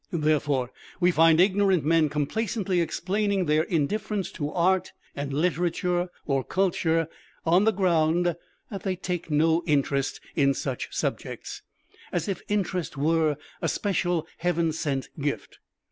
Therefore, we find ignorant men complacently explaining their indifference to art and literature or culture on the ground that they take no interest in such subjects, as if interest were a special heaven sent gift.